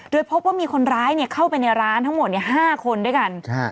โดยพบว่ามีคนร้ายเข้าไปในร้านทั้งหมด๕คนด้วยกัน